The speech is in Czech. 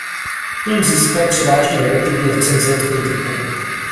Film získal převážně negativní recenze od kritiků.